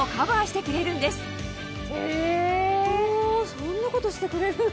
そんなことしてくれるの？